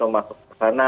masuk ke sana